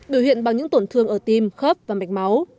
biểu hiện bằng những tổn thương ở tim khớp và mạch máu